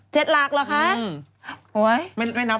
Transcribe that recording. เจ็ดหลักเหรอคะ